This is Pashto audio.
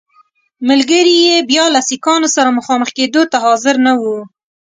ملګري یې بیا له سیکهانو سره مخامخ کېدو ته حاضر نه ول.